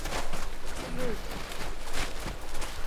Zuika.